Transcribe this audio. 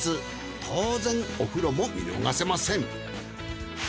当然お風呂も見逃せません。